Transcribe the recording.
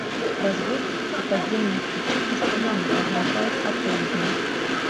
Разводдзе і падземныя ключы пастаянна пагражаюць апоўзнем.